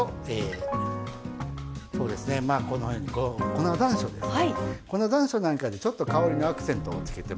粉ざんしょうなんかでちょっと香りのアクセントをつけてもらうと